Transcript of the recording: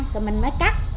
rồi mình mới cắt